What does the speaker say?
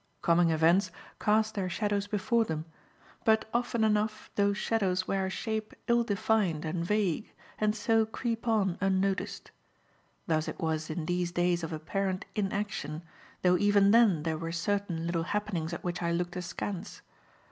Coming events cast their shadows before them, but often enough those shadows wear a shape ill defined and vague, and so creep on unnoticed. Thus it was in these days of apparent inaction, though even then there were certain little happenings at which I looked askance.